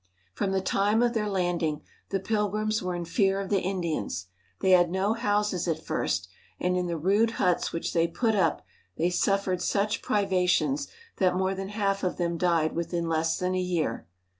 From the time of their land ing, the Pilgrims were in fear of the Indians. • They had no houses at first, and in the rude huts which they put up they sufTered such privations that more than half of them died within less than a year.